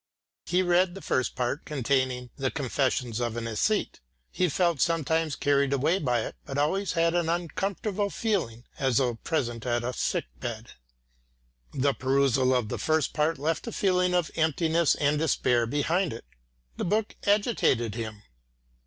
He read the first part containing "The Confessions of an Æsthete." He felt sometimes carried away by it, but always had an uncomfortable feeling as though present at a sick bed. The perusal of the first part left a feeling of emptiness and despair behind it. The book agitated him.